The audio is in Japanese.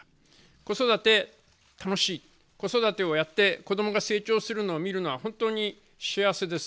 子育て、楽しい、子育てをやって子どもが成長をするのを見るのは本当に幸せです。